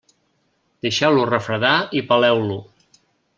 Deixeu-lo refredar i peleu-lo.